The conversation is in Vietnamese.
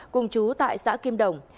cùng trú tại xã kim đồng